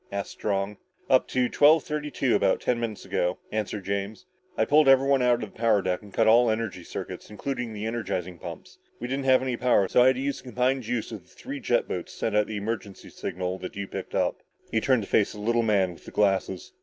asked Strong. "Up to twelve thirty two about ten minutes ago," answered James. "I pulled everybody out of the power deck and cut all energy circuits, including the energizing pumps. We didn't have any power so I had to use the combined juice of the three jet boats to send out the emergency signal that you picked up." He turned to face the little man with the glasses.